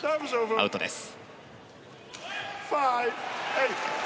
アウトです。